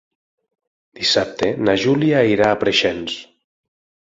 Dissabte na Júlia irà a Preixens.